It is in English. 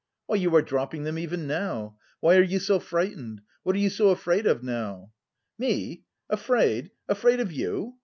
"Why, you are dropping them even now. Why are you so frightened? What are you so afraid of now?" "Me afraid? Afraid of you?